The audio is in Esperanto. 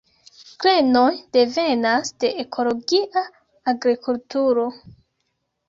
Grenoj devenas de ekologia agrikulturo.